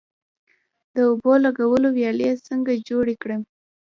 د اوبو لګولو ویالې څنګه جوړې کړم؟